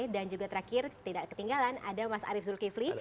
dan juga terakhir tidak ketinggalan ada mas arief zulkifli